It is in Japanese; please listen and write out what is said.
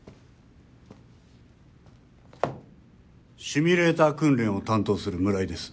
シミュレーター訓練を担当する村井です。